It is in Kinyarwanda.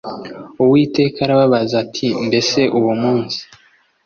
uwiteka arabaza ati mbese uwo munsi